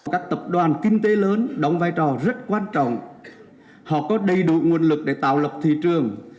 các tập đoàn kinh tế lớn đóng vai trò rất quan trọng họ có đầy đủ nguồn lực để tạo lập thị trường